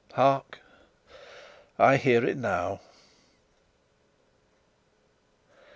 Hark! I hear it now!